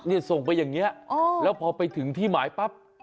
ส่งไปอย่างนี้แล้วพอไปถึงที่หมายปั๊บ